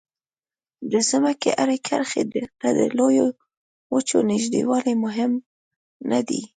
د ځمکې هرې کرښې ته د لویو وچو نږدېوالی مهم نه دی.